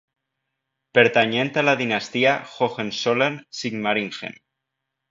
Pertanyent a la dinastia Hohenzollern-Sigmaringen.